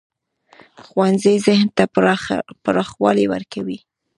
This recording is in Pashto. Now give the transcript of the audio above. ښوونځی ذهن ته پراخوالی ورکوي